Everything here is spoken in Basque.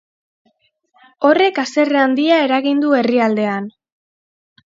Horrek haserre handia eragin du herrialdean.